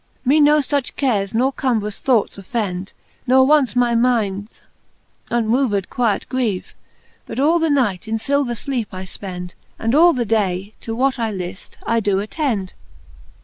Me no, fuch cares nor combrous thoughts offend, Ne once my minds unmoved quiet grieve ; But all the night in filver fleepe I fpend, And all the day, to what I. lift, T do attend.